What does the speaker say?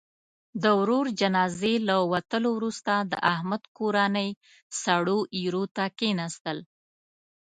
د ورور جنازې له وتلو وروسته، د احمد کورنۍ سړو ایرو ته کېناستل.